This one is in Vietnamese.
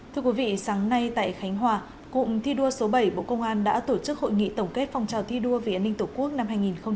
thưa quý vị sáng nay tại khánh hòa cụng thi đua số bảy bộ công an đã tổ chức hội nghị tổng kết phong trào thi đua vì an ninh tổ quốc năm hai nghìn hai mươi ba